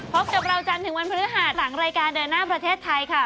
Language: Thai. พบกับเราจันทร์ถึงวันพฤหัสหลังรายการเดินหน้าประเทศไทยค่ะ